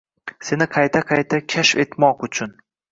Seni qayta-qayta kashf etmoq uchun.